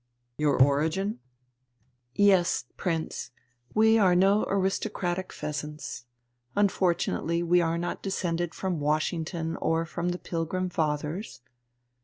"Your origin?" "Yes, Prince; we are no aristocratic pheasants, unfortunately we are not descended from Washington or from the Pilgrim Fathers."